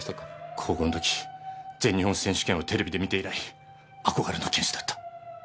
高校の時全日本選手権をテレビで見て以来憧れの剣士だった。